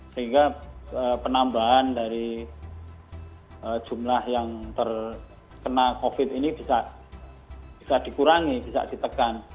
sehingga penambahan dari jumlah yang terkena covid ini bisa dikurangi bisa ditekan